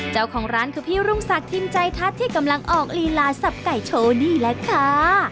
เจ้าของร้านคือพี่รุ่งศักดิมใจทัศน์ที่กำลังออกลีลาสับไก่โชว์นี่แหละค่ะ